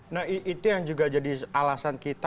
nah itu yang juga jadi alasan kita